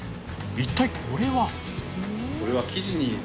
一体これは？